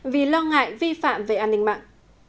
vì lo ngại vi phạm về an ninh mạng